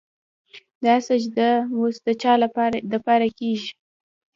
دا سجده وس د چا دپاره کيږي